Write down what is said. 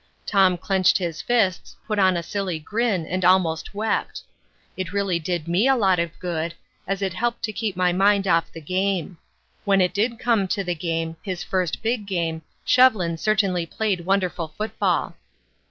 Tom clenched his fists, put on a silly grin and almost wept. It really did me a lot of good, as it helped to keep my mind off the game. When it did come to the game, his first big game, Shevlin certainly played wonderful football.